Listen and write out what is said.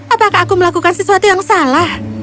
apakah aku melakukan sesuatu yang salah